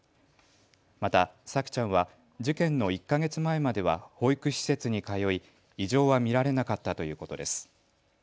また沙季ちゃんは事件の１か月前までは保育施設に通い異常は見られなかったということです。